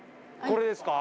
これですか？